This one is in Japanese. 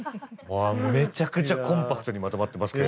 めちゃくちゃコンパクトにまとまってますけれども。